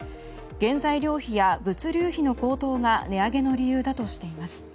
原材料費や物流費の高騰が値上げの理由だとしています。